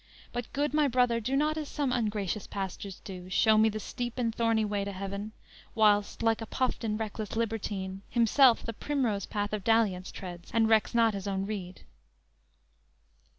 But, good my brother Do not as some ungracious pastors do, Show me the steep and thorny way to heaven, Whilst, like a puffed and wreckless libertine, Himself the primrose path of dalliance treads And recks not his own read!"